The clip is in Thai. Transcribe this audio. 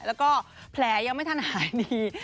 แล้วก็แผลยังไม่ทันหายดี